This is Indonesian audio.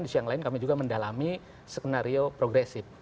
di siang lain kami juga mendalami skenario progresif